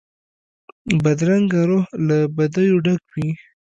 بدرنګه روح له بدیو ډک وي